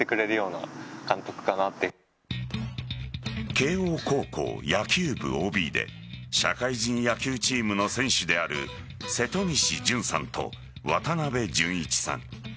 慶応高校野球部ＯＢで社会人野球チームの選手である瀬戸西純さんと渡部淳一さん。